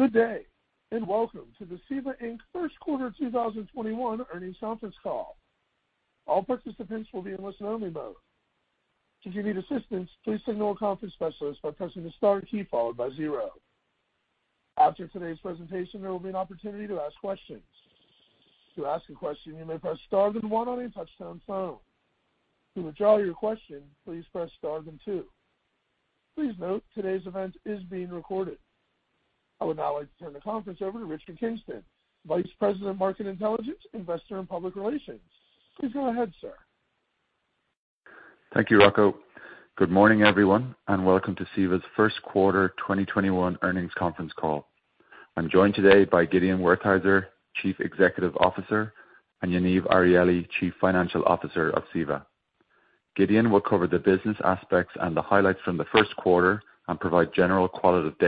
Good day, and welcome to the CEVA, Inc. first quarter 2021 earnings conference call. All participants will be in listen-only mode. If you need assistance, please signal the conference specialist by pressing the star key followed by zero. After today's presentation there will be an opportunity to ask questions. To ask a question you may press star then one on your touch-tone phone. To withdraw your question, please press star then two. Please note today's event is being recorded. I would now like to turn the conference over to Richard Kingston, Vice President of Market Intelligence, Investor and Public Relations. Please go ahead, sir. Thank you, Rocco. Good morning, everyone, and welcome to CEVA's first quarter 2021 earnings conference call. I'm joined today by Gideon Wertheizer, Chief Executive Officer, and Yaniv Arieli, Chief Financial Officer of CEVA. Gideon will cover the business aspects and the highlights from the first quarter and provide general qualitative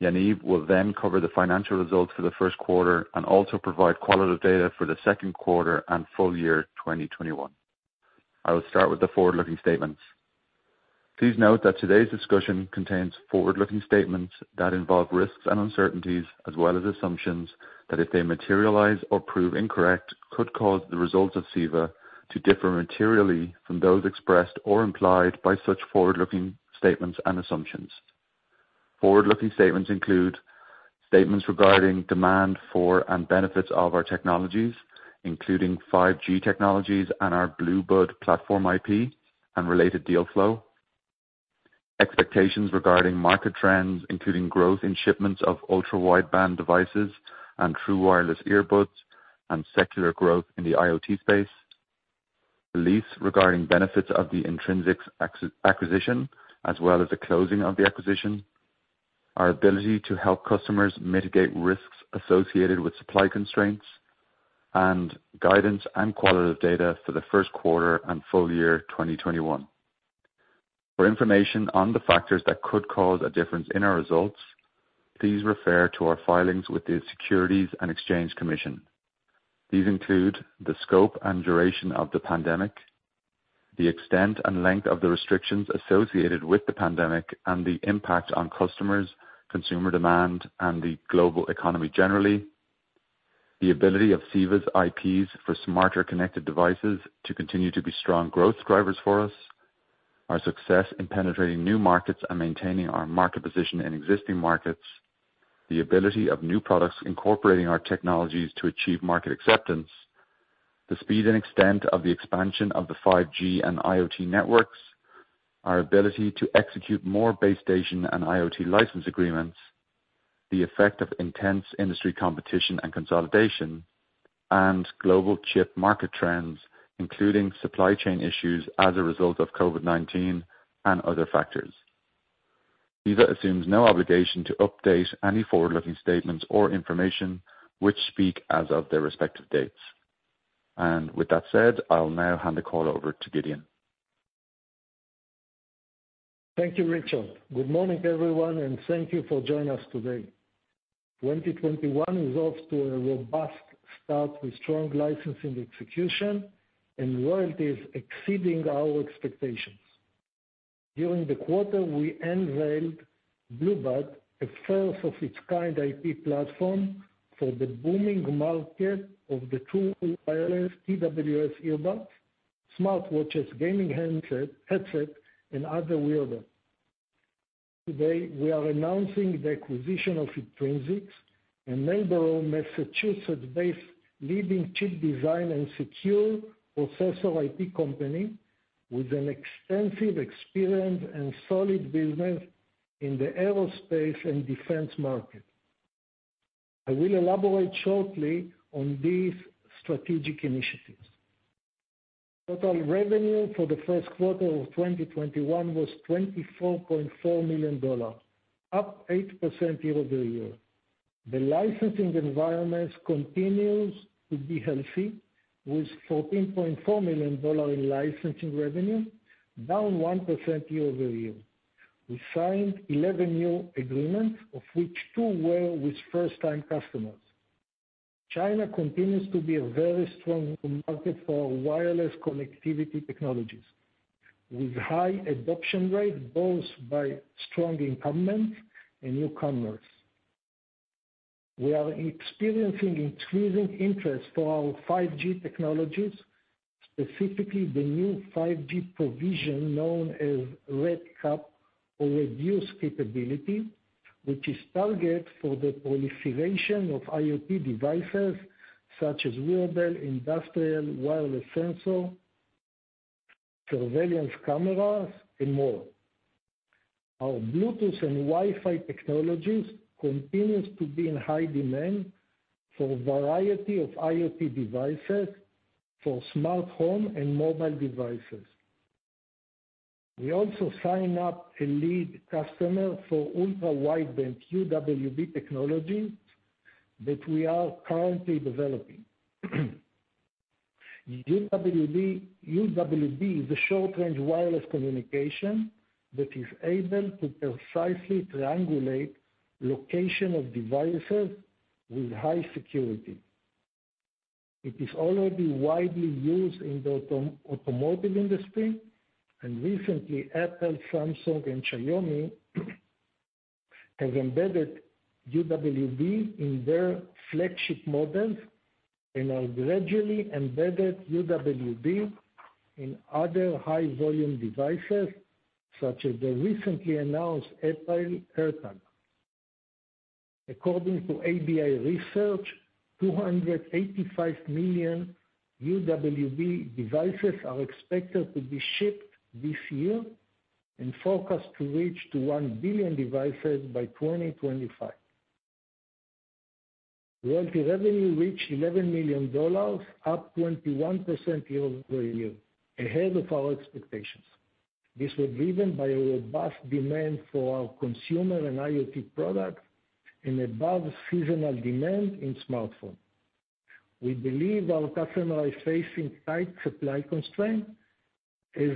data. Yaniv will then cover the financial results for the first quarter and also provide qualitative data for the second quarter and full year 2021. I will start with the forward-looking statements. Please note that today's discussion contains forward-looking statements that involve risks and uncertainties, as well as assumptions, that if they materialize or prove incorrect, could cause the results of CEVA to differ materially from those expressed or implied by such forward-looking statements and assumptions. Forward-looking statements include statements regarding demand for and benefits of our technologies, including 5G technologies and our BlueBud platform IP and related deal flow. Expectations regarding market trends, including growth in shipments of ultra-wideband devices and true wireless earbuds and secular growth in the IoT space. Beliefs regarding benefits of the Intrinsix acquisition, as well as the closing of the acquisition. Our ability to help customers mitigate risks associated with supply constraints, and guidance and qualitative data for the first quarter and full year 2021. For information on the factors that could cause a difference in our results, please refer to our filings with the Securities and Exchange Commission. These include the scope and duration of the pandemic, the extent and length of the restrictions associated with the pandemic, and the impact on customers, consumer demand, and the global economy generally. The ability of CEVA's IPs for smarter connected devices to continue to be strong growth drivers for us. Our success in penetrating new markets and maintaining our market position in existing markets. The ability of new products incorporating our technologies to achieve market acceptance. The speed and extent of the expansion of the 5G and IoT networks. Our ability to execute more base station and IoT license agreements. The effect of intense industry competition and consolidation, and global chip market trends, including supply chain issues as a result of COVID-19 and other factors. CEVA assumes no obligation to update any forward-looking statements or information which speak as of their respective dates. With that said, I'll now hand the call over to Gideon. Thank you, Richard. Good morning, everyone, and thank you for joining us today. 2021 is off to a robust start with strong licensing execution and royalties exceeding our expectations. During the quarter, we unveiled BlueBud, a first of its kind IP platform for the booming market of the true wireless TWS earbuds, smartwatches, gaming headsets, and other wearables. Today, we are announcing the acquisition of Intrinsix, a neighboring Massachusetts-based leading chip design and secure processor IP company with an extensive experience and solid business in the aerospace and defense market. I will elaborate shortly on these strategic initiatives. Total revenue for the first quarter of 2021 was $24.4 million, up 8% year-over-year. The licensing environment continues to be healthy with $14.4 million in licensing revenue, down 1% year-over-year. We signed 11 new agreements, of which two were with first-time customers. China continues to be a very strong market for our wireless connectivity technologies, with high adoption rate both by strong incumbents and newcomers. We are experiencing increasing interest for our 5G technologies, specifically the new 5G provision known as RedCap or Reduced Capability, which is targeted for the proliferation of IoT devices such as wearable, industrial, wireless sensor, surveillance cameras, and more. Our Bluetooth and Wi-Fi technologies continue to be in high demand for a variety of IoT devices for smart home and mobile devices. We also signed up a lead customer for ultra-wideband UWB technology that we are currently developing. UWB is a short-range wireless communication that is able to precisely triangulate location of devices with high security. It is already widely used in the automotive industry, and recently Apple, Samsung, and Xiaomi have embedded UWB in their flagship models and have gradually embedded UWB in other high-volume devices, such as the recently announced Apple AirTag. According to ABI Research, 285 million UWB devices are expected to be shipped this year and forecast to reach 1,000,000,000 devices by 2025. Royalty revenue reached $11 million, up 21% year-over-year, ahead of our expectations. This was driven by a robust demand for our consumer and IoT products and above-seasonal demand in smartphone. We believe our customer is facing tight supply constraints, as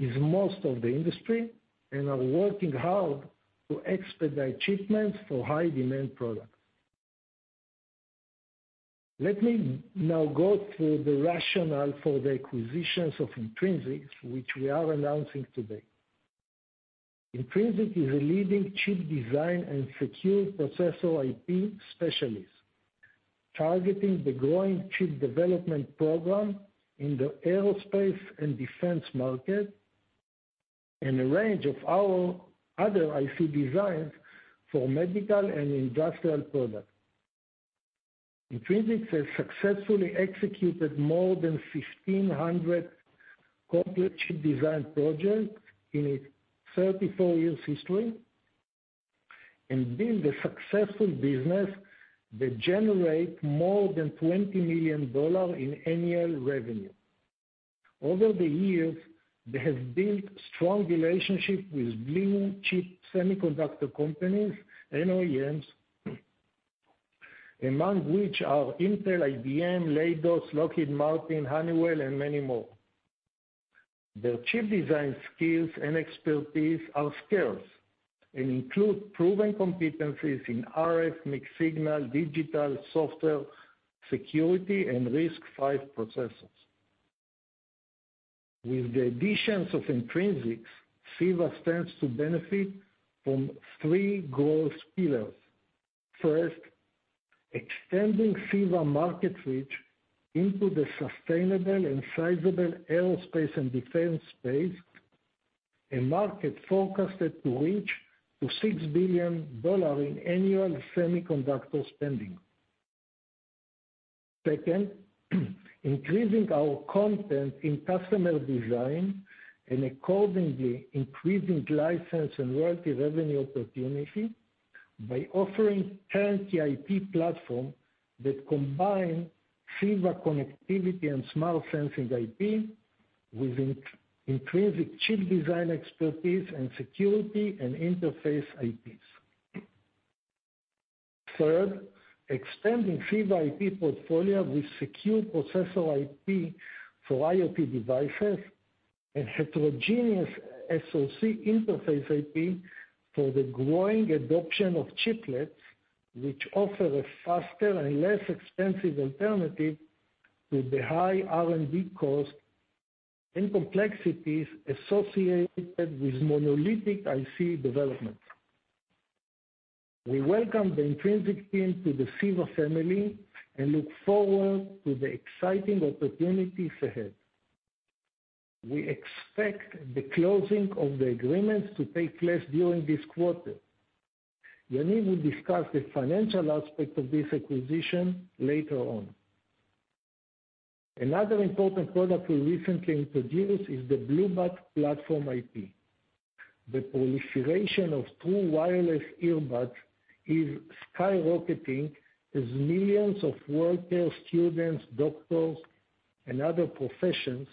is most of the industry, and are working hard to expedite shipments for high-demand products. Let me now go through the rationale for the acquisitions of Intrinsix, which we are announcing today. Intrinsix is a leading chip design and secure processor IP specialist, targeting the growing chip development program in the aerospace and defense market and a range of our other IC designs for medical and industrial products. Intrinsix has successfully executed more than 1,600 complex chip design projects in its 34-year history and been the successful business that generate more than $20 million in annual revenue. Over the years, they have built strong relationships with leading chip semiconductor companies, OEMs, among which are Intel, IBM, Leidos, Lockheed Martin, Honeywell, and many more. Their chip design skills and expertise are scarce and include proven competencies in RF, mixed signal, digital, software, security, and RISC-V processors. With the additions of Intrinsix, CEVA stands to benefit from three growth pillars. First, extending CEVA market reach into the sustainable and sizable aerospace and defense space, a market forecasted to reach $6 billion in annual semiconductor spending. Second, increasing our content in customer design and accordingly increasing license and royalty revenue opportunity by offering turnkey IP platform that combine CEVA connectivity and smart sensing IP with Intrinsix chip design expertise in security and interface IPs. Third, extending CEVA IP portfolio with secure processor IP for IoT devices and heterogeneous SoC interface IP for the growing adoption of chiplets, which offer a faster and less expensive alternative to the high R&D cost and complexities associated with monolithic IC development. We welcome the Intrinsix team to the CEVA family and look forward to the exciting opportunities ahead. We expect the closing of the agreements to take place during this quarter. Yaniv will discuss the financial aspect of this acquisition later on. Another important product we recently introduced is the BlueBud platform IP. The proliferation of true wireless earbuds is skyrocketing as millions of workers, students, doctors, and other professions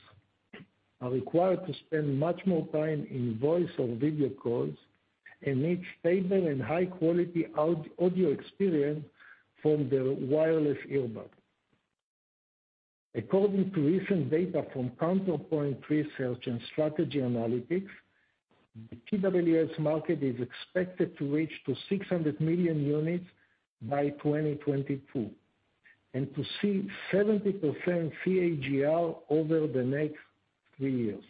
are required to spend much more time in voice or video calls and need stable and high-quality audio experience from their wireless earbuds. According to recent data from Counterpoint Research and Strategy Analytics, the TWS market is expected to reach to 600 million units by 2022 and to see 70% CAGR over the next three years.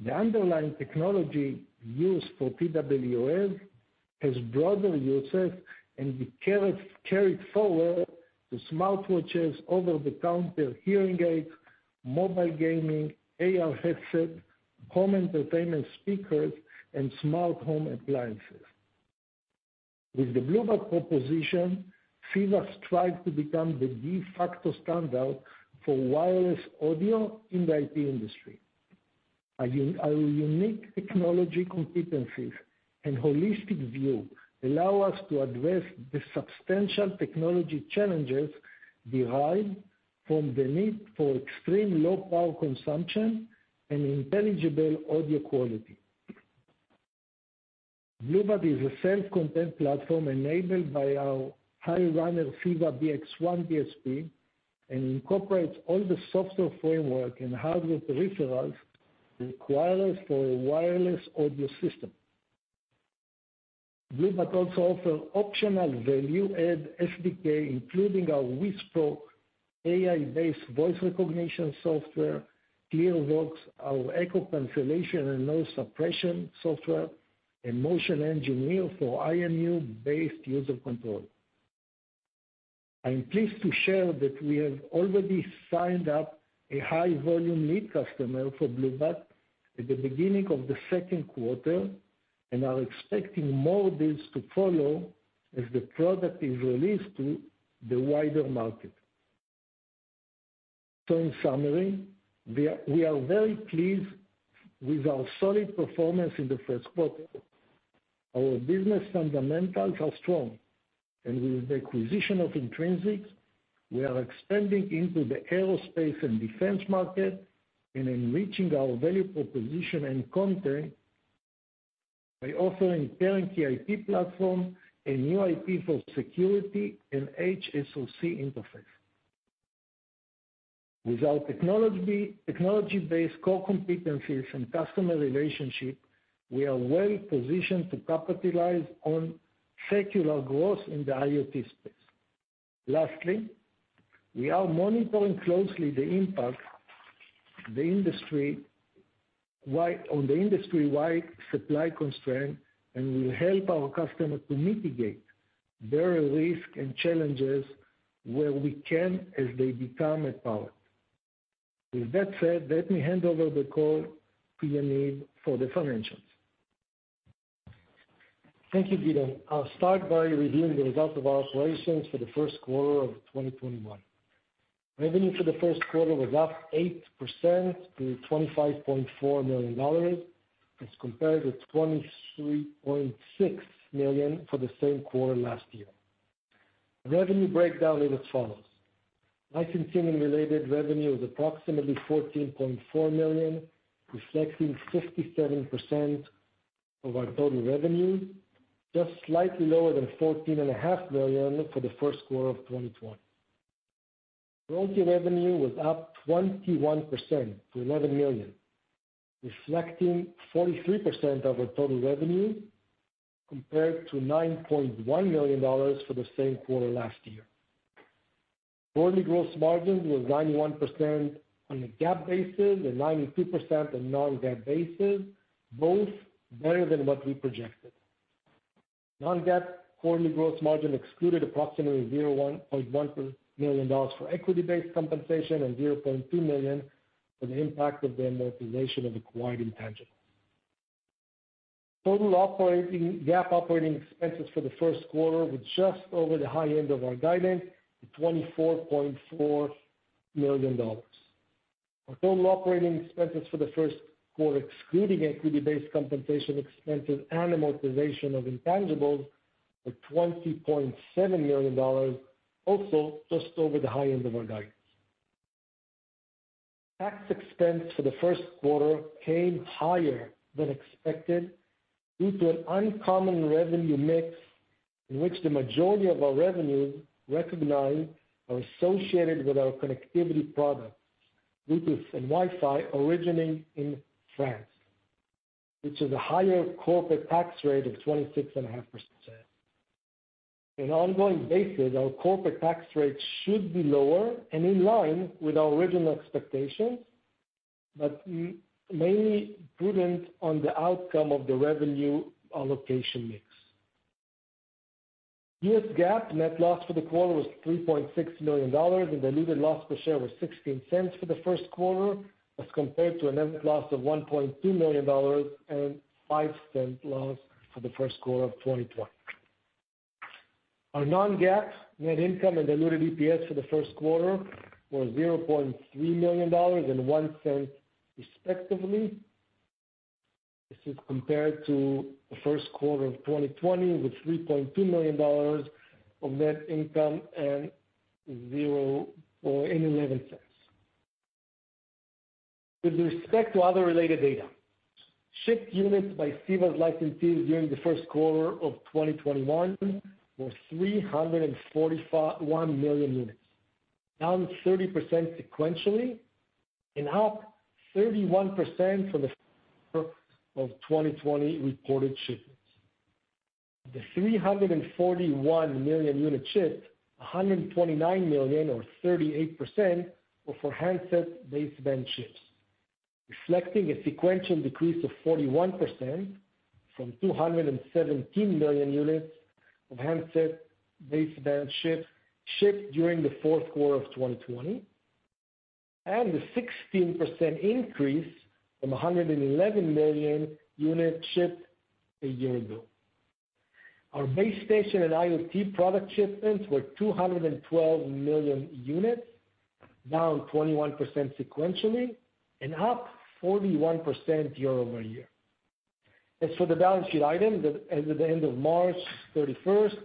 The underlying technology used for TWS has broader uses and be carried forward to smartwatches, over-the-counter hearing aids, mobile gaming, AR headsets, home entertainment speakers, and smart home appliances. With the BlueBud proposition, CEVA strives to become the de facto standard for wireless audio in the IP industry. Our unique technology competencies and holistic view allow us to address the substantial technology challenges derived from the need for extreme low power consumption and intelligible audio quality. BlueBud is a self-contained platform enabled by our high runner CEVA-BX1 DSP and incorporates all the software framework and hardware peripherals required for a wireless audio system. We also offer optional value add SDK, including our WhisPro AI-based voice recognition software, ClearVox, our echo cancellation and noise suppression software, and MotionEngine for IMU-based user control. I am pleased to share that we have already signed up a high volume lead customer for BlueBud at the beginning of the second quarter, and are expecting more deals to follow as the product is released to the wider market. In summary, we are very pleased with our solid performance in the first quarter. Our business fundamentals are strong. With the acquisition of Intrinsix, we are expanding into the aerospace and defense market and enriching our value proposition and content by offering patent IP platform and new IP for security and HSoC interface. With our technology-based core competencies and customer relationship, we are well positioned to capitalize on secular growth in the IoT space. Lastly, we are monitoring closely the impact on the industry-wide supply constraint, and will help our customers to mitigate their risk and challenges where we can as they become empowered. With that said, let me hand over the call to Yaniv for the financials. Thank you, Gideon. I'll start by reviewing the results of our operations for the first quarter of 2021. Revenue for the first quarter was up 8% to $25.4 million as compared to $23.6 million for the same quarter last year. Revenue breakdown is as follows: licensing and related revenue is approximately $14.4 million, reflecting 57% of our total revenue, just slightly lower than $14.5 million for the first quarter of 2020. Royalty revenue was up 21% to $11 million, reflecting 43% of our total revenue, compared to $9.1 million for the same quarter last year. Royalty gross margin was 91% on a GAAP basis and 92% on non-GAAP basis, both better than what we projected. Non-GAAP royalty gross margin excluded approximately $0.1 million for equity-based compensation and $0.2 million for the impact of the amortization of acquired intangibles. GAAP operating expenses for the first quarter were just over the high end of our guidance, at $24.4 million. Our total operating expenses for the first quarter, excluding equity-based compensation expenses and amortization of intangibles, were $20.7 million, also just over the high end of our guidance. Tax expense for the first quarter came higher than expected due to an uncommon revenue mix in which the majority of our revenue recognized are associated with our connectivity products, Bluetooth and Wi-Fi, originating in France, which is a higher corporate tax rate of 26.5%. In ongoing basis, our corporate tax rate should be lower and in line with our original expectations, but mainly prudent on the outcome of the revenue allocation mix. U.S. GAAP net loss for the quarter was $3.6 million, and diluted loss per share was $0.16 for the first quarter, as compared to a net loss of $1.2 million and $0.05 loss for the first quarter of 2020. Our non-GAAP net income and diluted EPS for the first quarter were $0.3 million and $0.01 respectively. This is compared to the first quarter of 2020 with $3.2 million of net income and zero or $0.11. With respect to other related data, shipped units by CEVA's licensees during the first quarter of 2021 were 341 million units, down 30% sequentially and up 31% from the first quarter of 2020 reported shipments. Of the 341 million units shipped, 129 million or 38% were for handset baseband chips, reflecting a sequential decrease of 41% from 217 million units of handset baseband chips shipped during the fourth quarter of 2020, and a 16% increase from 111 million units shipped a year ago. Our base station and IoT product shipments were 212 million units, down 21% sequentially and up 41% year-over-year. As for the balance sheet item, as of the end of March 31st,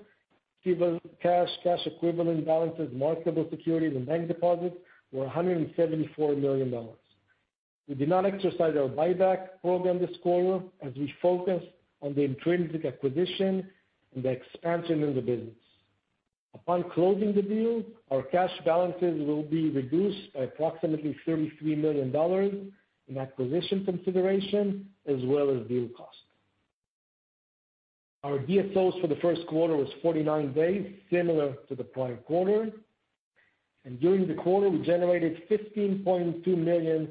CEVA's cash equivalent balances, marketable securities, and bank deposits were $174 million. We did not exercise our buyback program this quarter as we focused on the Intrinsix acquisition and the expansion in the business. Upon closing the deal, our cash balances will be reduced by approximately $33 million in acquisition consideration as well as deal cost. Our DSO for the first quarter was 49 days, similar to the prior quarter. During the quarter, we generated $15.2 million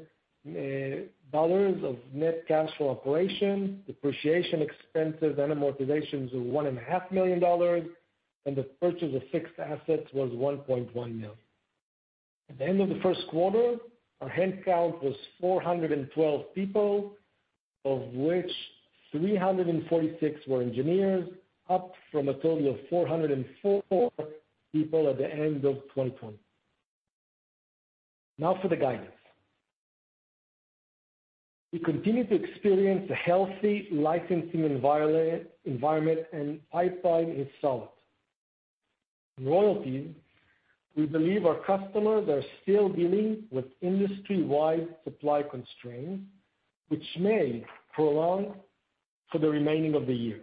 of net cash flow operation, depreciation expenses and amortizations of $1.5 million, and the purchase of fixed assets was $1.1 million. At the end of the first quarter, our headcount was 412 people, of which 346 were engineers, up from a total of 404 people at the end of 2020. Now for the guidance. We continue to experience a healthy licensing environment and pipeline is solid. Royalty, we believe our customers are still dealing with industry-wide supply constraints, which may prolong for the remaining of the year.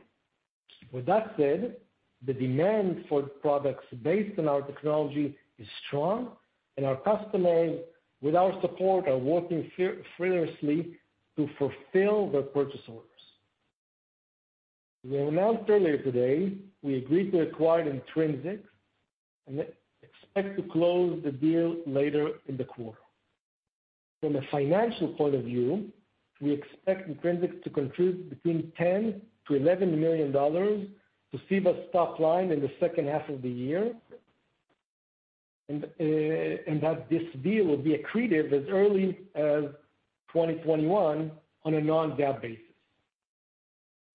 With that said, the demand for products based on our technology is strong, and our customers, with our support, are working fearlessly to fulfill their purchase orders. We announced earlier today, we agreed to acquire Intrinsix and expect to close the deal later in the quarter. From a financial point of view, we expect Intrinsix to contribute between $10 million-$11 million to CEVA's top line in the second half of the year, and that this deal will be accretive as early as 2021 on a non-GAAP basis.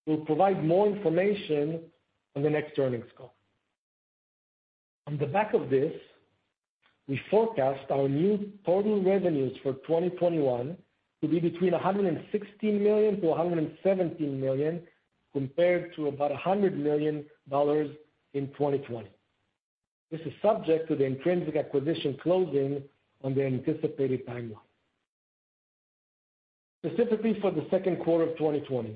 We'll provide more information on the next earnings call. On the back of this, we forecast our new total revenues for 2021 to be between $116 million-$117 million, compared to about $100 million in 2020. This is subject to the Intrinsix acquisition closing on the anticipated timeline. Specifically for the second quarter of 2021,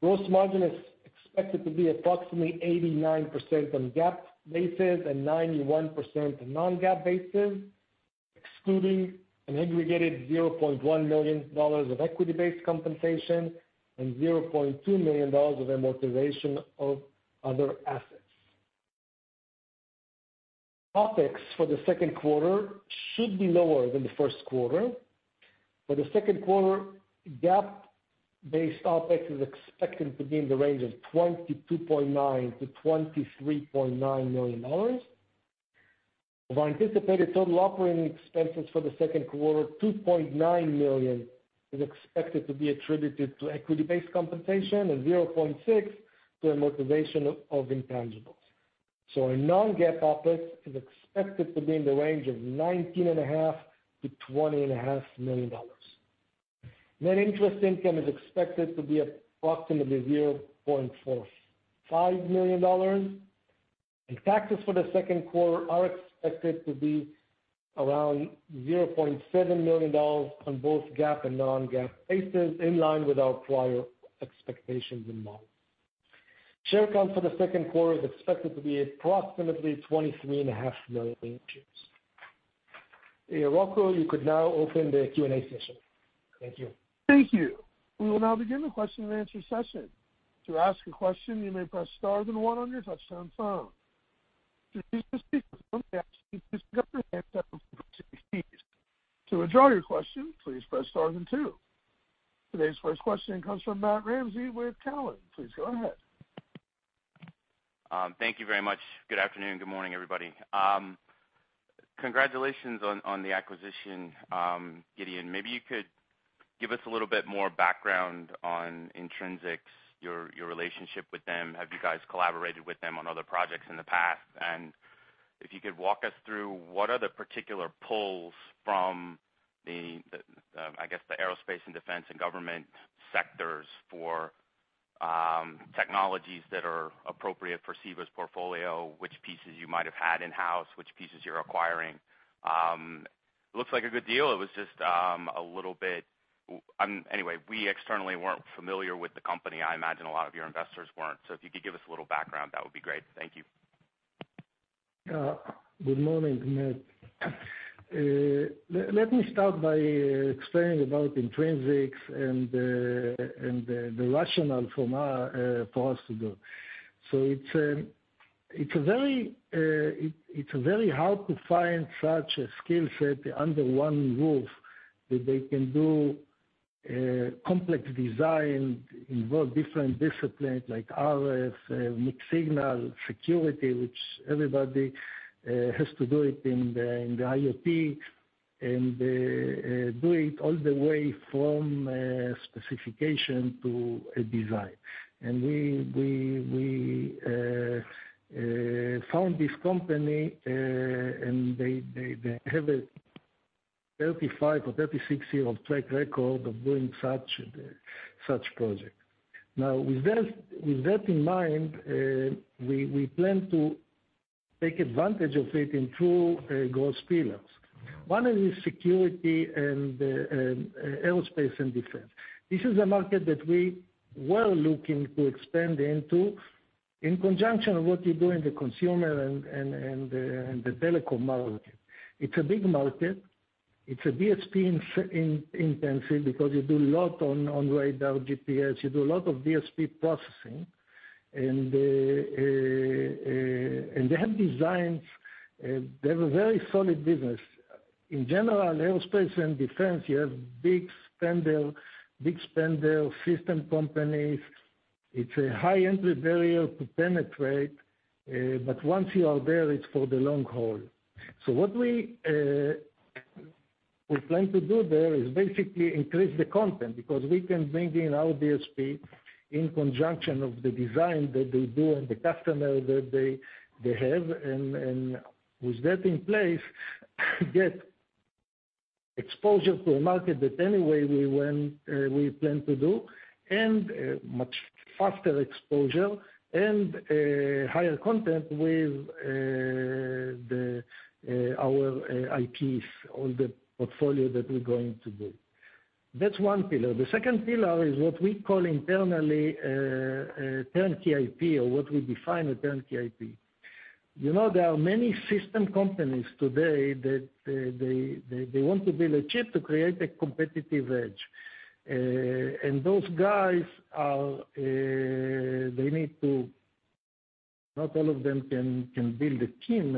gross margin is expected to be approximately 89% on GAAP basis and 91% on non-GAAP basis, excluding an aggregated $0.1 million of equity-based compensation and $0.2 million of amortization of other assets. OpEx for the second quarter should be lower than the first quarter. For the second quarter, GAAP-based OpEx is expected to be in the range of $22.9 million-$23.9 million. Of our anticipated total operating expenses for the second quarter, $2.9 million is expected to be attributed to equity-based compensation and $0.6 million to amortization of intangibles. Our non-GAAP OpEx is expected to be in the range of $19.5 million-$20.5 million. Net interest income is expected to be approximately $0.45 million, and taxes for the second quarter are expected to be around $0.7 million on both GAAP and non-GAAP bases, in line with our prior expectations and models. Share count for the second quarter is expected to be approximately 23.5 million shares. Rocco, you could now open the Q&A session. Thank you Thank you. We will now begin the question-and-answer session. To ask a question you may press star then one on your touch-tone phone. To withdraw your question, please press star then two. Today's first question comes from Matt Ramsay with Cowen. Please go ahead. Thank you very much. Good afternoon, good morning, everybody. Congratulations on the acquisition, Gideon. Maybe you could give us a little bit more background on Intrinsix, your relationship with them. Have you guys collaborated with them on other projects in the past? If you could walk us through what are the particular pulls from the aerospace and defense and government sectors for technologies that are appropriate for CEVA's portfolio, which pieces you might have had in-house, which pieces you're acquiring. Looks like a good deal. Anyway, we externally weren't familiar with the company. I imagine a lot of your investors weren't. If you could give us a little background, that would be great. Thank you. Good morning, Matt. Let me start by explaining about Intrinsix and the rationale for us to do. It's very hard to find such a skill set under one roof, that they can do complex design, involve different disciplines like RF, mixed signal security, which everybody has to do it in the IoT, and do it all the way from specification to a design. We found this company, and they have a 35 or 36-year track record of doing such projects. Now, with that in mind, we plan to take advantage of it in two gross pillars. One is security and aerospace and defense. This is a market that we were looking to expand into in conjunction with what you do in the consumer and the telecom market. It's a big market. It's DSP-intensive because you do a lot on radar GPS, you do a lot of DSP processing, and they have designs. They have a very solid business. In general, aerospace and defense, you have big spendal system companies. It's a high entry barrier to penetrate, but once you are there, it's for the long haul. What we plan to do there is basically increase the content, because we can bring in our DSP in conjunction of the design that they do and the customer that they have, and with that in place, get exposure to a market that anyway we plan to do, and a much faster exposure and higher content with our IPs on the portfolio that we're going to do. That's one pillar. The second pillar is what we call internally a turnkey IP or what we define a turnkey IP. There are many system companies today that want to build a chip to create a competitive edge. Those guys, not all of them can build a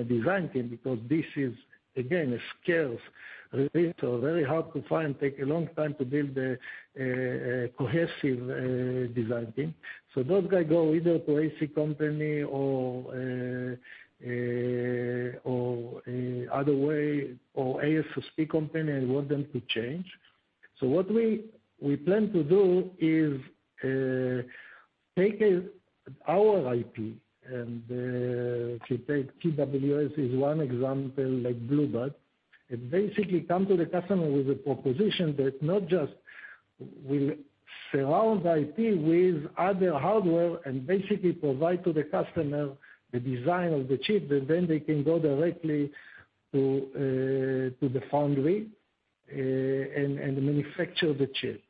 design team because this is, again, a scarce resource, very hard to find, take a long time to build a cohesive design team. Those guys go either to ASIC company or other way, or ASSP company and want them to change. What we plan to do is take our IP, and if you take TWS is one example like BlueBud, and basically come to the customer with a proposition that not just will surround IP with other hardware and basically provide to the customer the design of the chip, but then they can go directly to the foundry and manufacture the chip.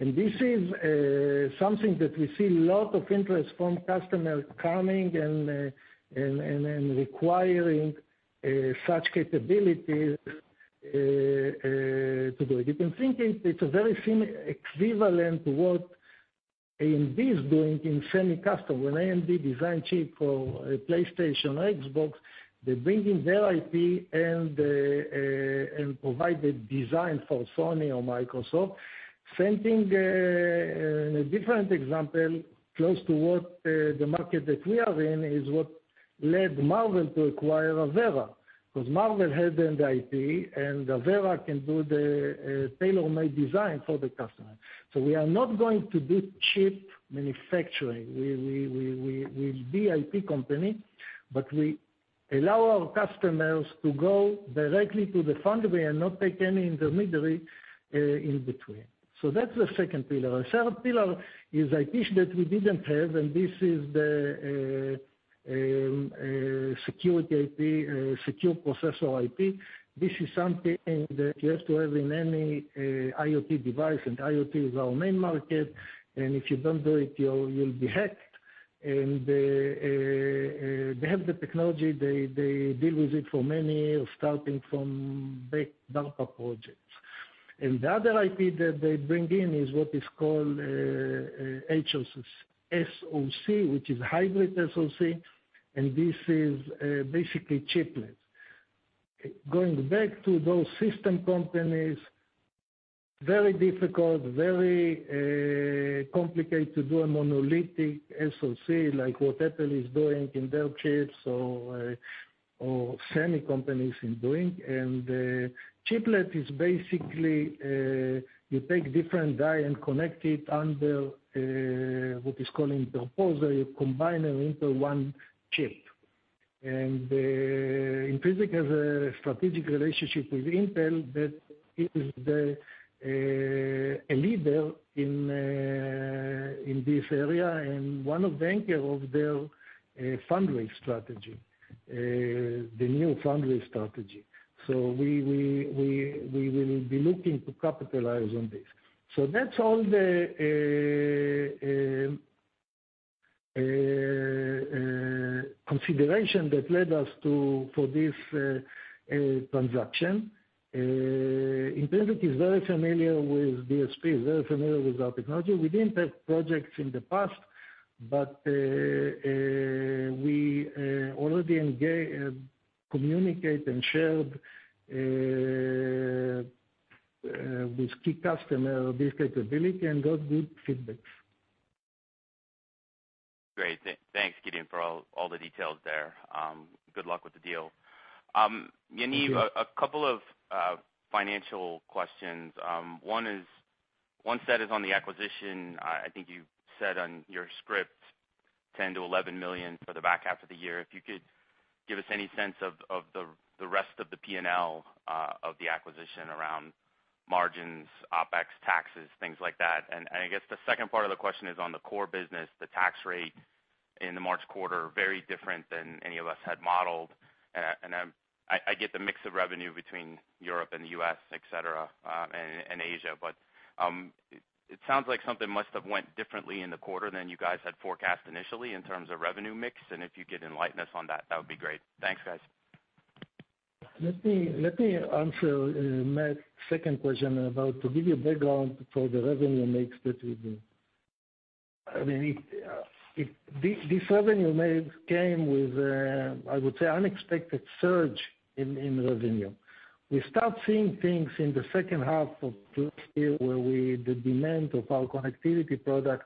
This is something that we see lot of interest from customers coming and requiring such capabilities to do it. You can think it's a very equivalent to what AMD is doing in semi-custom. When AMD design chip for PlayStation or Xbox, they bring in their IP and provide the design for Sony or Microsoft. Same thing, a different example, close to what the market that we are in is what led Marvell to acquire Avera, because Marvell had the IP and Avera can do the tailor-made design for the customer. We are not going to do chip manufacturing. We'll be IP company, but we allow our customers to go directly to the foundry and not take any intermediary in between. That's the second pillar. The third pillar is IP that we didn't have. This is the secure processor IP. This is something that you have to have in any IoT device. IoT is our main market. If you don't do it, you'll be hacked. They have the technology. They deal with it for many, starting from back DARPA projects. The other IP that they bring in is what is called SoC, which is hybrid SoC, and this is basically chiplets. Going back to those system companies, very difficult, very complicated to do a monolithic SoC, like what Apple is doing in their chips or semi companies is doing. Chiplet is basically, you take different die and connect it under what is called interposer. You combine them into one chip. Intrinsix, strategic relationship with Intel, that is the leader in this area and one of the anchor of their foundry strategy, the new foundry strategy. We will be looking to capitalize on this. That's all the consideration that led us for this transaction. Intrinsix is very familiar with DSP, is very familiar with our technology. We didn't have projects in the past, but we already communicate and shared with key customer this capability and got good feedbacks. Great. Thanks, Gideon, for all the details there. Good luck with the deal. Thank you. Yaniv, a couple of financial questions. One set is on the acquisition. I think you said on your script, $10 million-$11 million for the back half of the year. If you could give us any sense of the rest of the P&L of the acquisition around margins, OpEx taxes, things like that. I guess the second part of the question is on the core business, the tax rate in the March quarter, very different than any of us had modeled. I get the mix of revenue between Europe and the U.S., et cetera, and Asia. It sounds like something must have went differently in the quarter than you guys had forecast initially in terms of revenue mix. If you could enlighten us on that would be great. Thanks, guys. Let me answer Matt's second question about to give you a background for the revenue mix that we do. This revenue mix came with, I would say, unexpected surge in revenue. We start seeing things in the second half of last year where the demand of our connectivity product,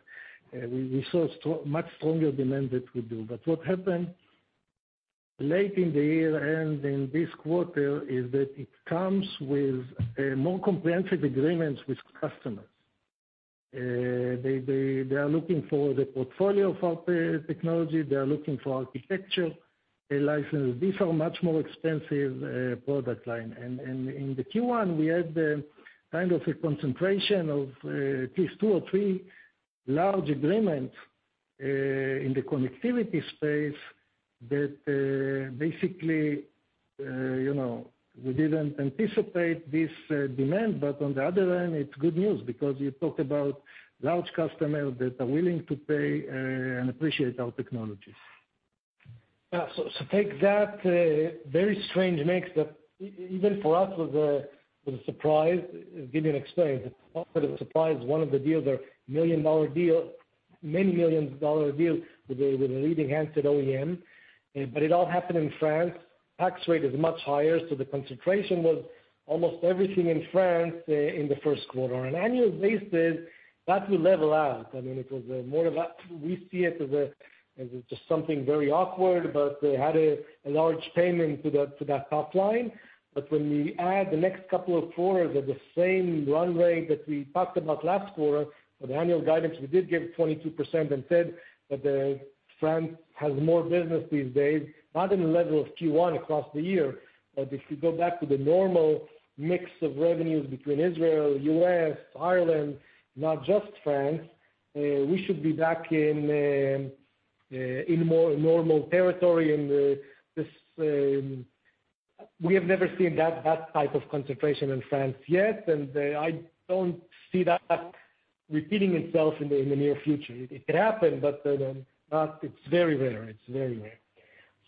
we saw much stronger demand that we do. What happened late in the year and in this quarter is that it comes with a more comprehensive agreements with customers. They are looking for the portfolio for technology. They are looking for architecture, a license. These are much more expensive product line. In the Q1, we had the kind of a concentration of at least two or three large agreements, in the connectivity space that basically, we didn't anticipate this demand, but on the other hand, it's good news because you talk about large customers that are willing to pay, and appreciate our technologies. Take that very strange mix that even for us was a surprise. Gideon explained, part of the surprise, one of the deals are many million-dollar deals with a leading handset OEM. It all happened in France. Tax rate is much higher, so the concentration was almost everything in France in the first quarter. On an annual basis, that will level out. We see it as just something very awkward, but had a large payment to that top line. When we add the next couple of quarters at the same run rate that we talked about last quarter, on the annual guidance, we did give 22% and said that France has more business these days, not in the level of Q1 across the year. If you go back to the normal mix of revenues between Israel, U.S., Ireland, not just France, we should be back in more normal territory in this. We have never seen that type of concentration in France yet, and I don't see that repeating itself in the near future. It could happen, but it's very rare.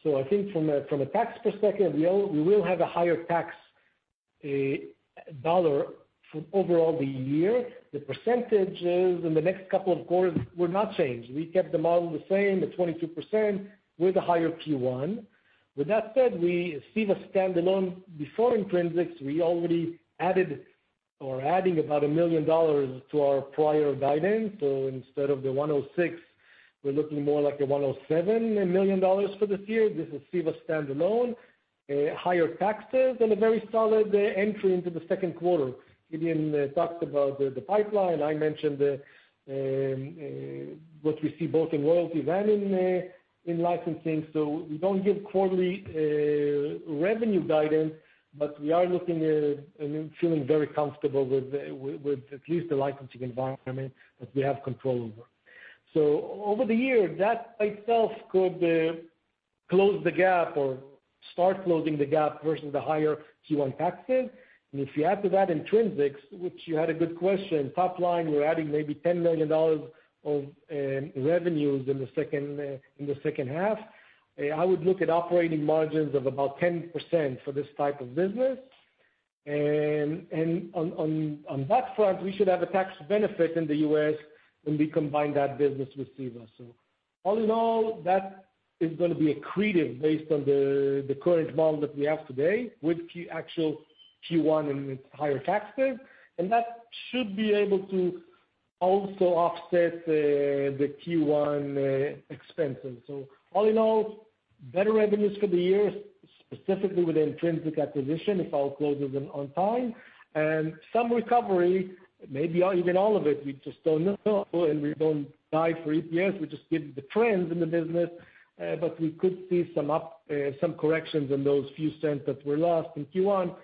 I think from a tax perspective, we will have a higher tax dollar for overall the year. The percentage in the next couple of quarters will not change. We kept the model the same, the 22% with a higher Q1. With that said, we see the stand-alone before Intrinsix, we already added or adding about $1 million to our prior guidance. Instead of the $106 million, we're looking more like a $107 million for this year. This is CEVA stand-alone, higher taxes, and a very solid entry into the second quarter. Gideon talked about the pipeline. I mentioned what we see both in royalties and in licensing. We don't give quarterly revenue guidance, but we are looking and feeling very comfortable with at least the licensing environment that we have control over. Over the year, that itself could close the gap or start closing the gap versus the higher Q1 taxes. If you add to that Intrinsix, which you had a good question, top line, we're adding maybe $10 million of revenues in the second half. I would look at operating margins of about 10% for this type of business. On that front, we should have a tax benefit in the U.S. when we combine that business with CEVA. All in all, that is going to be accretive based on the current model that we have today with actual Q1 and its higher taxes. That should be able to also offset the Q1 expenses. All in all, better revenues for the year, specifically with the Intrinsix acquisition, if all closes on time. Some recovery, maybe even all of it, we just don't know, and we don't guide for EPS, we just give the trends in the business. We could see some corrections on those few cents that were lost in Q1,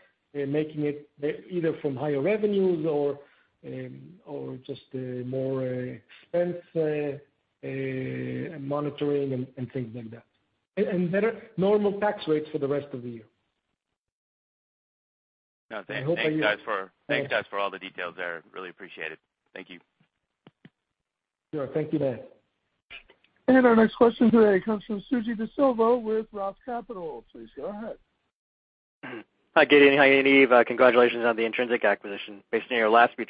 making it either from higher revenues or just more expense monitoring and things like that. Better normal tax rates for the rest of the year. No, thanks, guys, for all the details there. Really appreciate it. Thank you. Sure. Thank you, Matt. Our next question today comes from Suji Desilva with ROTH Capital. Please go ahead. Hi, Gideon. Hi, Yaniv. Congratulations on the Intrinsix acquisition. Based on your last few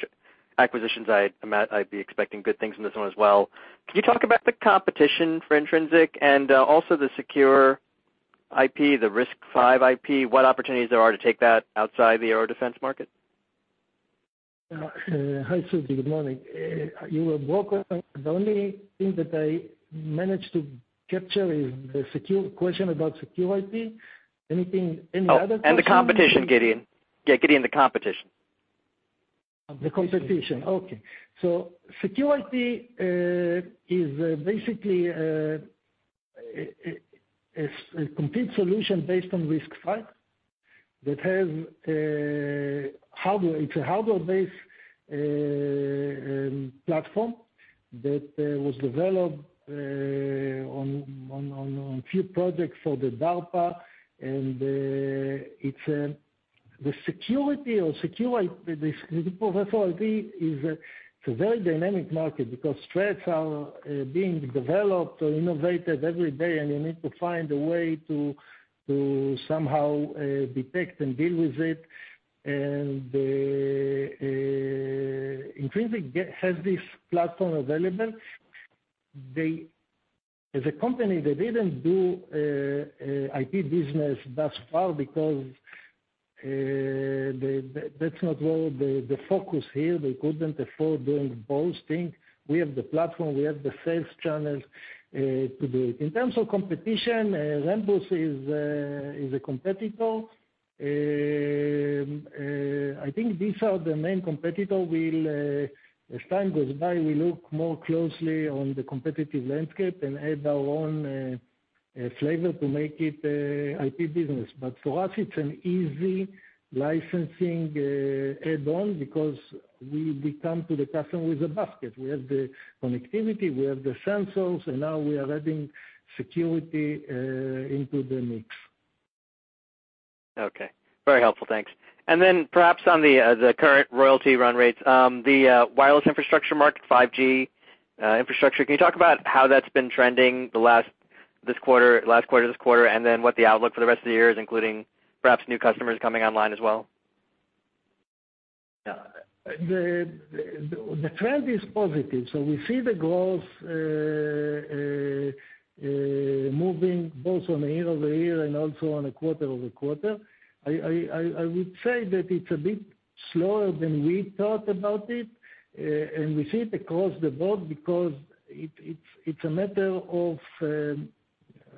acquisitions, I'd be expecting good things from this one as well. Can you talk about the competition for Intrinsix and also the secure IP, the RISC-V IP, what opportunities there are to take that outside the air defense market? Hi, Suji. Good morning. You were broken. The only thing that I managed to capture is the question about secure IP. Anything in the other question? Oh, the competition, Gideon. Yeah, Gideon, the competition. The competition. Okay. Security is basically a complete solution based on RISC-V. It's a hardware-based platform that was developed on a few projects for the DARPA, and the security or secure IP is a very dynamic market because threats are being developed or innovated every day, and you need to find a way to somehow detect and deal with it. Intrinsix has this platform available. As a company, they didn't do IP business thus far because that's not where the focus here, they couldn't afford doing both things. We have the platform, we have the sales channels to do it. In terms of competition, Rambus is a competitor. I think these are the main competitor. As time goes by, we look more closely on the competitive landscape and add our own flavor to make it IP business. For us, it's an easy licensing add-on because we come to the customer with a basket. We have the connectivity, we have the sensors, and now we are adding security into the mix. Okay. Very helpful. Thanks. Perhaps on the current royalty run rates, the wireless infrastructure market, 5G infrastructure, can you talk about how that's been trending this quarter, last quarter, this quarter, and then what the outlook for the rest of the year is, including perhaps new customers coming online as well? Yeah. The trend is positive. We see the growth moving both on a year-over-year and also on a quarter-over-quarter. I would say that it's a bit slower than we thought about it, and we see it across the board because it's a matter of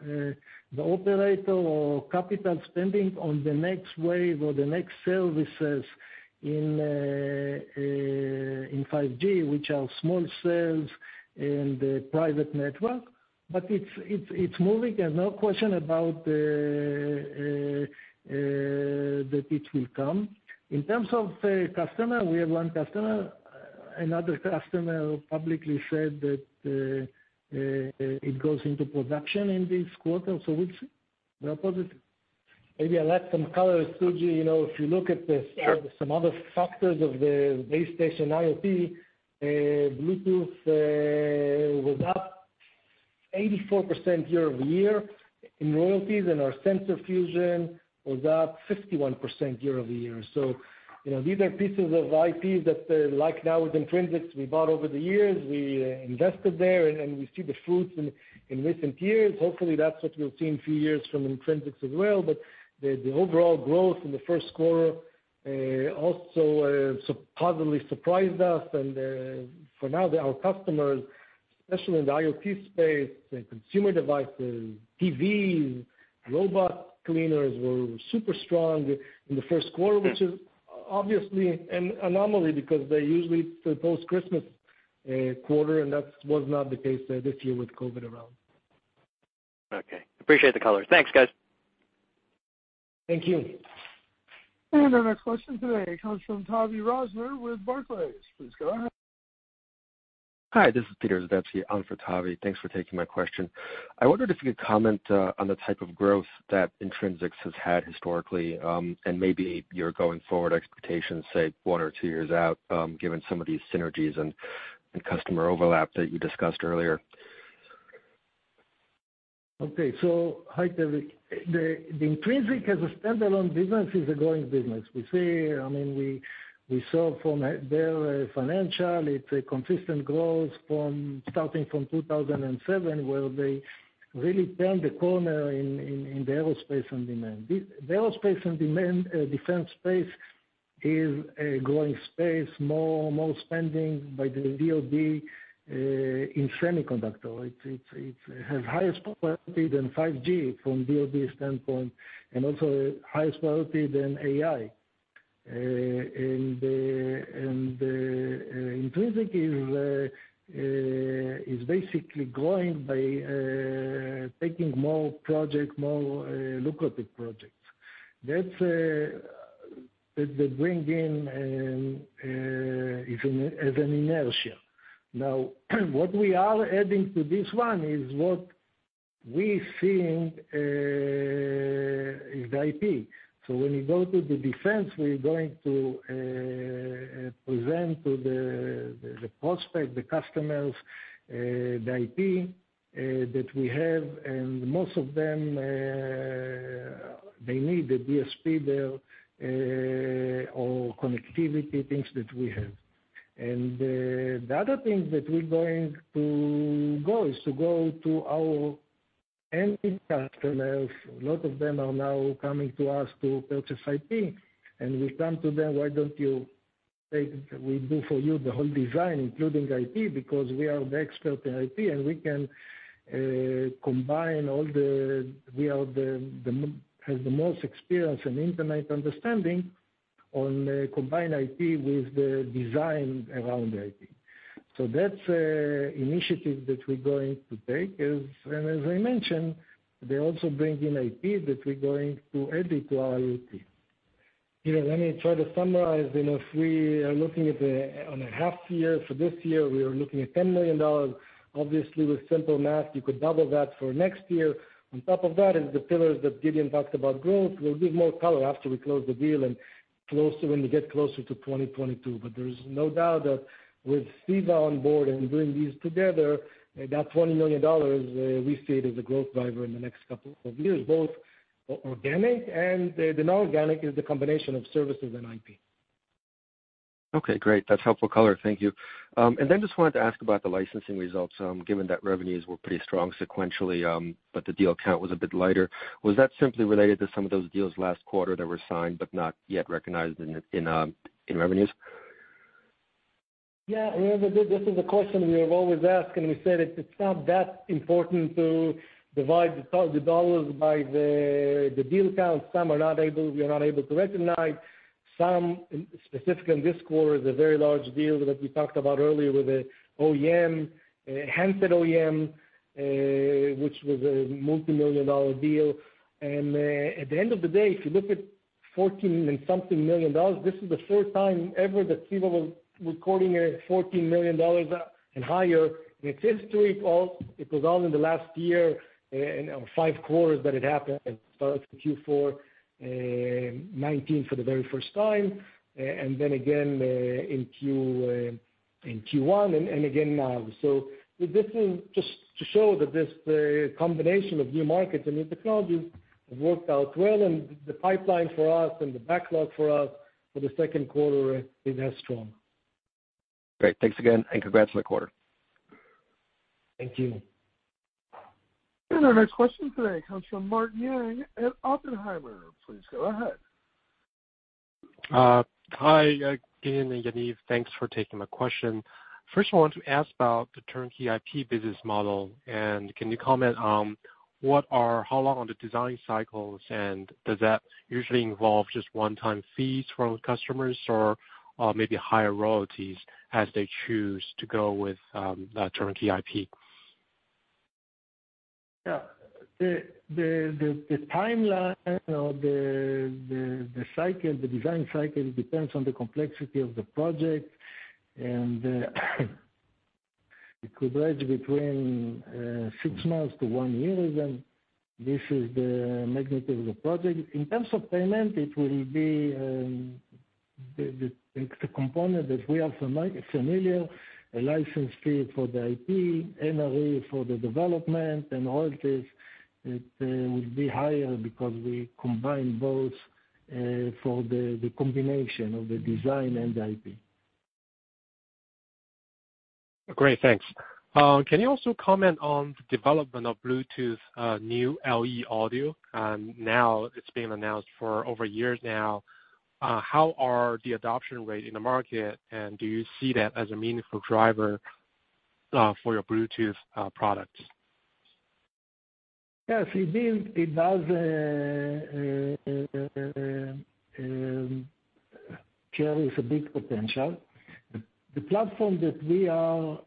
the operator or capital spending on the next wave or the next services in 5G, which are small cells in the private network. It's moving, and no question about that it will come. In terms of customer, we have one customer. Another customer publicly said that it goes into production in this quarter, so we are positive. Maybe I'll add some color, Suji. Sure. Some other factors of the base station IoT, Bluetooth was up 84% year-over-year in royalties, and our sensor fusion was up 51% year-over-year. These are pieces of IP that, like now with Intrinsix, we bought over the years, we invested there, and we see the fruits in recent years. Hopefully, that's what we'll see in a few years from Intrinsix as well. But the overall growth in the first quarter also positively surprised us. And for now, our customers, especially in the IoT space, the consumer devices, TVs, robot cleaners, were super strong in the first quarter, which is obviously an anomaly because they're usually the post-Christmas quarter, and that was not the case this year with COVID around. Okay. Appreciate the color. Thanks, guys. Thank you. Our next question today comes from Tavy Rosner with Barclays. Please go ahead. Hi, this is Peter Zdebski on for Tavy. Thanks for taking my question. I wondered if you could comment on the type of growth that Intrinsix has had historically, and maybe your going forward expectations, say, one or two years out, given some of these synergies and customer overlap that you discussed earlier. Okay. Hi, Peter. The Intrinsix as a standalone business is a growing business. We saw from their financial, it's a consistent growth starting from 2007, where they really turned the corner in the aerospace and defense. The aerospace and defense space is a growing space, more spending by the DoD in semiconductor. It has highest priority than 5G from DoD standpoint, and also highest priority than AI. Intrinsix is basically growing by taking more projects, more lucrative projects. That they bring in as an inertia. Now, what we are adding to this one is what we think is the IP. When we go to the defense, we're going to present to the prospect, the customers, the IP that we have, and most of them, they need the DSP there or connectivity things that we have. The other thing that we're going to go is to go to our end customers. A lot of them are now coming to us to purchase IP, and we come to them, why don't you take, we do for you the whole design, including IP, because we are the expert in IP, and we have the most experience in internal understanding on combined IP with the design around the IP. That's initiative that we're going to take is, and as I mentioned, they also bring in IP that we're going to add it to our IP. Let me try to summarize. If we are looking on a half year for this year, we are looking at $10 million. Obviously, with simple math, you could double that for next year. On top of that is the pillars that Gideon talked about growth will give more color after we close the deal and when we get closer to 2022. There's no doubt that with CEVA on board and bringing these together, that $20 million we see it as a growth driver in the next couple of years, both organic and the non-organic is the combination of services and IP. Okay, great. That's helpful color. Thank you. Just wanted to ask about the licensing results, given that revenues were pretty strong sequentially, but the deal count was a bit lighter. Was that simply related to some of those deals last quarter that were signed but not yet recognized in revenues? Yeah. This is a question we are always asked. We said it's not that important to divide the thousand dollars by the deal count. Some we are not able to recognize. Some, specific in this quarter, is a very large deal that we talked about earlier with a handset OEM, which was a multimillion-dollar deal. At the end of the day, if you look at $14 and something million, this is the fourth time ever that CEVA was recording a $14 million and higher in its history. It was all in the last year, in five quarters that it happened. Started Q4 2019 for the very first time, then again in Q1, again now. This is just to show that this combination of new markets and new technologies have worked out well, and the pipeline for us and the backlog for us for the second quarter is as strong. Great. Thanks again, and congrats on the quarter. Thank you. Our next question today comes from Martin Yang at Oppenheimer. Please go ahead. Hi again, Yaniv. Thanks for taking my question. First, I want to ask about the turnkey IP business model, and can you comment on how long are the design cycles, and does that usually involve just one-time fees from customers or maybe higher royalties as they choose to go with turnkey IP? The timeline or the design cycle depends on the complexity of the project, and it could range between six months to one year. This is the magnitude of the project. In terms of payment, it will be the extra component that we are familiar, a license fee for the IP, NRE for the development, and royalties. It will be higher because we combine both for the combination of the design and the IP. Great, thanks. Can you also comment on the development of Bluetooth new LE Audio? It's been announced for over a year now. How are the adoption rate in the market, and do you see that as a meaningful driver for your Bluetooth products? Yes. Indeed, it does carries a big potential. The platform that we announced,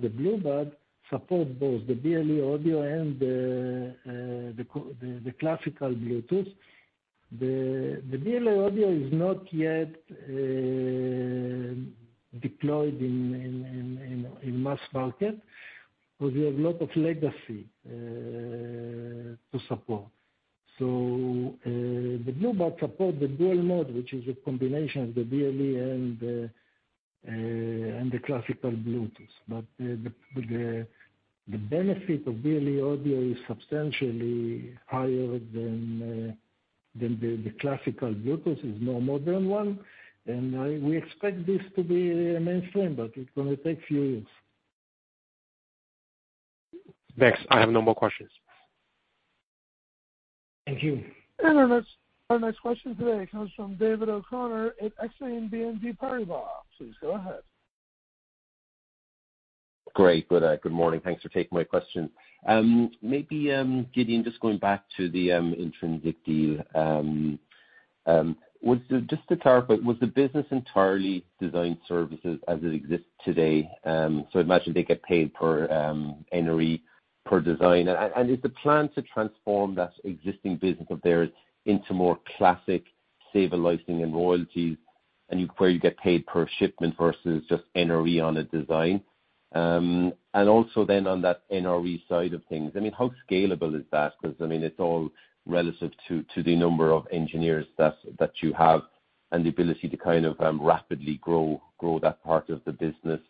the BlueBuds, support both the BLE audio and the classical Bluetooth. The BLE audio is not yet deployed in mass market because we have lot of legacy to support. The BlueBuds support the dual mode, which is a combination of the BLE and the classical Bluetooth. The benefit of BLE audio is substantially higher than the classical Bluetooth, is more modern one. We expect this to be mainstream, but it's going to take a few years. Thanks. I have no more questions. Thank you. Our next question today comes from David O'Connor at Exane BNP Paribas. Please go ahead. Great. Good morning. Thanks for taking my question. Maybe, Gideon, just going back to the Intrinsix deal. Just to clarify, was the business entirely design services as it exists today? I imagine they get paid per NRE, per design. Is the plan to transform that existing business of theirs into more classic CEVA licensing and royalties and where you get paid per shipment versus just NRE on a design? On that NRE side of things, how scalable is that? Because it's all relative to the number of engineers that you have and the ability to kind of rapidly grow that part of the business.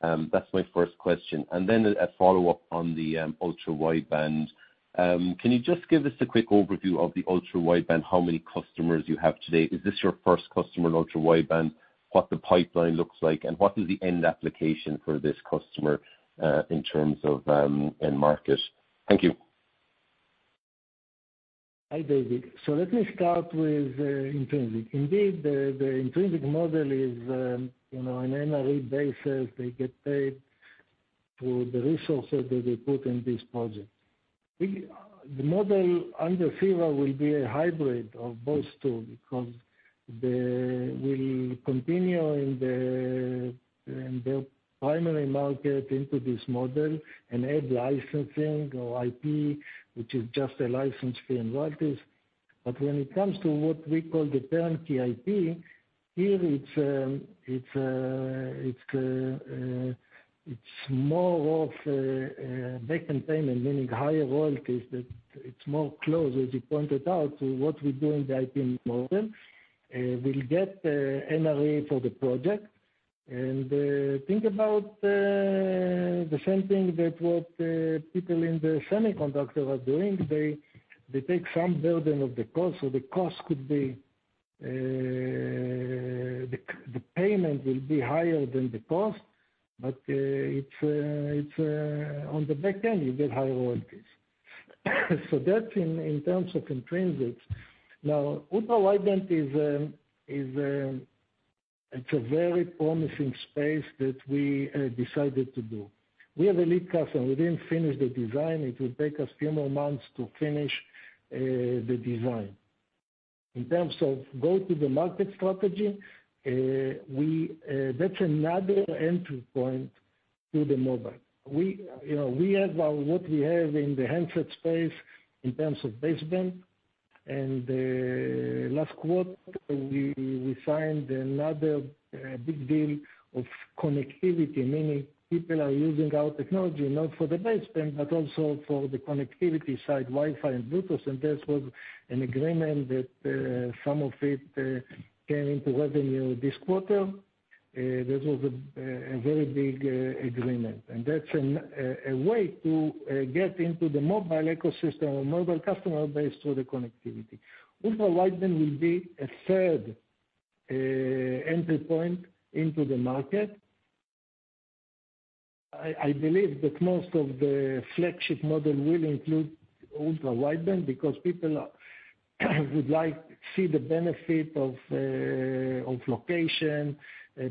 That's my first question. A follow-up on the ultra-wideband. Can you just give us a quick overview of the ultra-wideband, how many customers you have today? Is this your first customer in ultra-wideband? What the pipeline looks like, and what is the end application for this customer, in terms of end market? Thank you. Hi, David. Let me start with Intrinsix. Indeed, the Intrinsix model is an NRE basis, they get paid through the resources that we put in this project. The model under CEVA will be a hybrid of both, too, because they will continue in the primary market into this model and add licensing or IP, which is just a license fee and royalties. When it comes to what we call the turn-key IP, here it's more of a back containment, meaning higher royalties, that it's more close, as you pointed out, to what we do in the IP model. We'll get NRE for the project. Think about the same thing that what people in the semiconductor are doing. They take some burden of the cost, so the payment will be higher than the cost, but on the back end, you get higher royalties. That's in terms of Intrinsix. Ultra-wideband, it's a very promising space that we decided to do. We have a lead customer. We didn't finish the design. It will take us few more months to finish the design. In terms of go-to-the-market strategy, that's another entry point to the mobile. What we have in the handset space in terms of baseband, and last quarter, we signed another big deal of connectivity, meaning people are using our technology, not for the baseband, but also for the connectivity side, Wi-Fi and Bluetooth, and that was an agreement that some of it came into revenue this quarter. This was a very big agreement. That's a way to get into the mobile ecosystem or mobile customer base through the connectivity. Ultra-wideband will be a third entry point into the market. I believe that most of the flagship model will include ultra-wideband because people would like to see the benefit of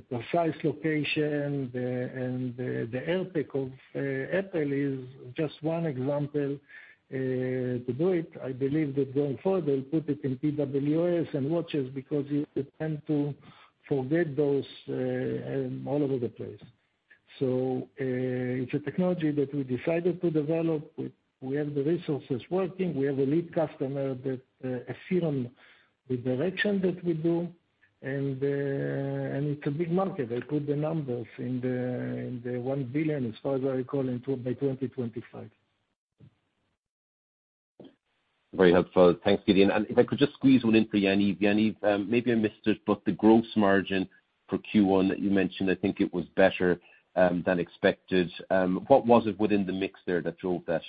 precise location, and the AirTag of Apple is just one example to do it. I believe that going forward, they'll put it in TWS and watches because you tend to forget those all over the place. It's a technology that we decided to develop. We have the resources working. We have a lead customer that assume the direction that we do, and it's a big market. I put the numbers in the $1 billion, as far as I recall, by 2025. Very helpful. Thanks, Gideon. If I could just squeeze one in for Yaniv. Yaniv, maybe I missed it, but the gross margin for Q1 that you mentioned, I think it was better than expected. What was it within the mix there that drove that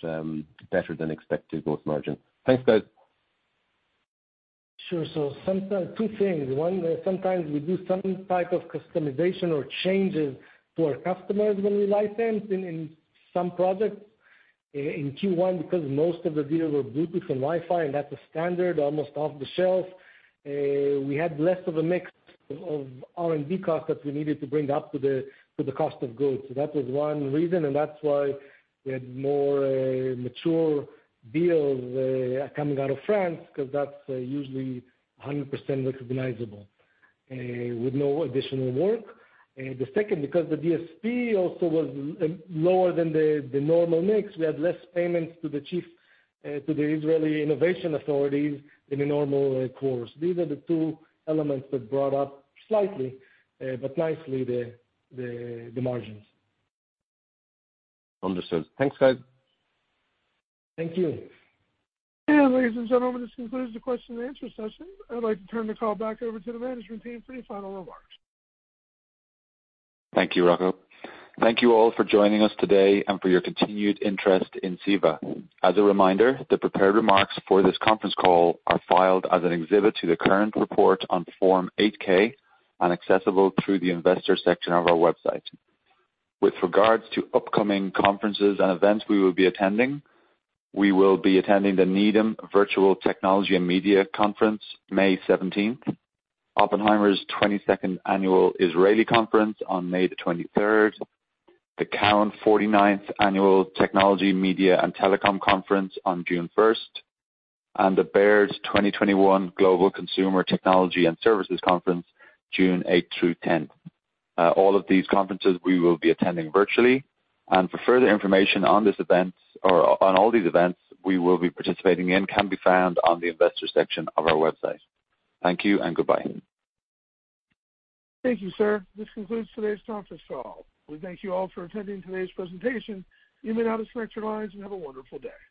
better than expected gross margin? Thanks, guys. Sure. Two things. One, sometimes we do some type of customization or changes to our customers when we license in some products. In Q1, because most of the deals were Bluetooth and Wi-Fi, and that's a standard, almost off-the-shelf, we had less of a mix of R&D cost that we needed to bring up to the cost of goods. That was one reason, and that's why we had more mature deals coming out of France, because that's usually 100% recognizable with no additional work. The second, because the DSP also was lower than the normal mix, we had less payments to the Israel Innovation Authority in a normal course. These are the two elements that brought up slightly, but nicely, the margins. Understood. Thanks, guys. Thank you. Ladies and gentlemen, this concludes the question-and-answer session. I'd like to turn the call back over to the management team for any final remarks. Thank you, Rocco. Thank you all for joining us today and for your continued interest in CEVA. As a reminder, the prepared remarks for this conference call are filed as an exhibit to the current report on Form 8-K and accessible through the investor section of our website. With regards to upcoming conferences and events we will be attending, we will be attending the Needham Virtual Technology and Media Conference, May 17th, Oppenheimer's 22nd Annual Israeli Conference on May 23rd, the Cowen 49th Annual Technology, Media and Telecom Conference on June 1st, and the Baird 2021 Global Consumer Technology and Services Conference, June 8th through Jun 10th. All of these conferences we will be attending virtually. For further information on all these events we will be participating in, can be found on the investor section of our website. Thank you and goodbye. Thank you, sir. This concludes today's conference call. We thank you all for attending today's presentation. You may now disconnect your lines and have a wonderful day.